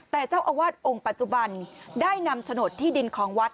แต่เจ้าอาวาสองค์ปัจจุบันได้นำโฉนดที่ดินของวัด